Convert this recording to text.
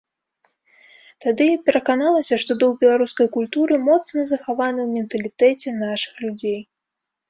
Тады я пераканалася, што дух беларускай культуры моцна захаваны ў менталітэце нашых людзей.